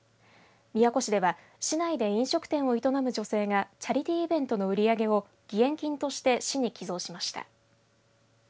宮古市では市内で飲食店を営む女性がチャリティーイベントの売り上げを義援金として市に寄贈しました。